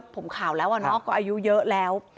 ผมข่าวแล้วนะอายุเยอะแล้ว